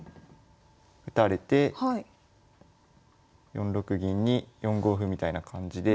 ４六銀に４五歩みたいな感じで。